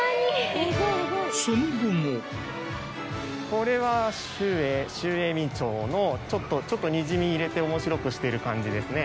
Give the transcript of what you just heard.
これは秀英秀英明朝のちょっとにじみ入れて面白くしている感じですね。